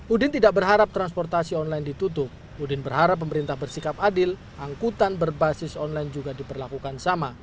udin tidak berharap transportasi online ditutup udin berharap pemerintah bersikap adil angkutan berbasis online juga diperlakukan sama